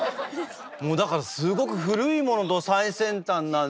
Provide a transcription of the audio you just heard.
もうだからすごく古いものと最先端なね